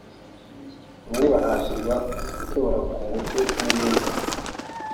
bamwe bahatirwa gutora ku ngufu n’ibindi